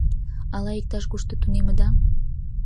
Ала иктаж-кушто тунемыда?